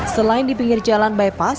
selain di pinggir jalan bypass